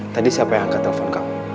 tadi siapa yang angkat telepon kamu